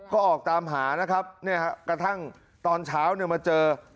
ก็ออกตามหานะครับกระทั่งตอนเช้าเนี่ยมาเจอ